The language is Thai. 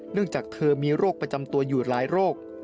จากเธอมีโรคประจำตัวอยู่หลายโรค